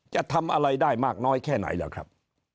จะทำอะไรได้มากน้อยแค่ไหนล่ะครับ